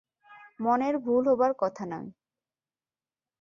মনের ভুল হবার কথা নয়।